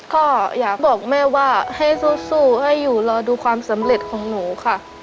ก็อยากบอกแม่ว่าให้สู้ให้อยู่รอดูความสำเร็จของหนูค่ะ